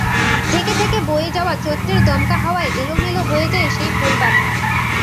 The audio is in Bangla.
থেকে থেকে বয়ে যাওয়া চৈত্রের দমকা হাওয়ায় এলোমেলো হয়ে যায় সেই ফুলপাতা।